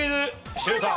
シュート！